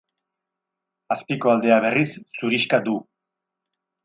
Azpiko aldea berriz zurixka du.